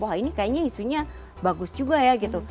wah ini kayaknya isunya bagus juga ya gitu